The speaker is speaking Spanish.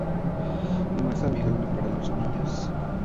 Y más amigable para los niños.